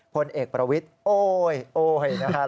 พลเอกประวิทย์โอ๊ยโอ๊ยนะครับ